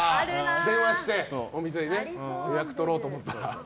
電話してお店の予約とろうと思ったら。